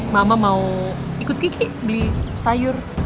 mama mau ikut kiki beli sayur